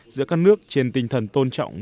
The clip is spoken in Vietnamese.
giữa các nước trên tinh thần tôn trọng